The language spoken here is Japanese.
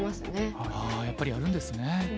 ああやっぱりやるんですね。